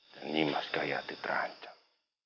dan nyima skaya ditrancam